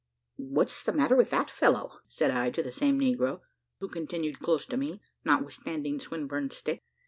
"What's the matter with that fellow?" said I to the same negro, who continued close to me, notwithstanding Swinburne's stick.